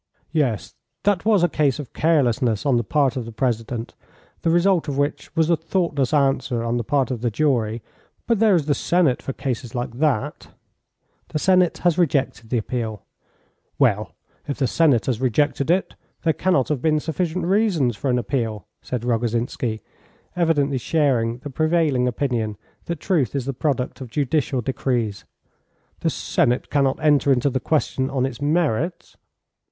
"Yes, that was a case of carelessness on the part of the president, the result of which was a thoughtless answer on the part of the jury; but there is the Senate for cases like that." "The Senate has rejected the appeal." "Well, if the Senate has rejected it, there cannot have been sufficient reasons for an appeal," said Rogozhinsky, evidently sharing the prevailing opinion that truth is the product of judicial decrees. "The Senate cannot enter into the question on its merits.